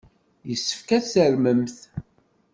Yessefk ad tarmemt.